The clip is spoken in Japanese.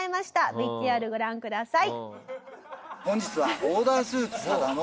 ＶＴＲご覧ください。